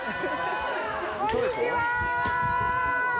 こんにちは。